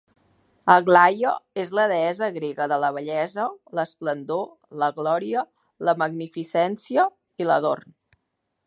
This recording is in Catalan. Aglaia és la deessa grega de la bellesa, l'esplendor, la glòria, la magnificència i l'adorn.